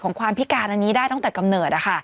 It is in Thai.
ความพิการอันนี้ได้ตั้งแต่กำเนิด